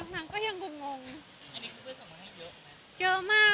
คนคิดว่าเป็นเรา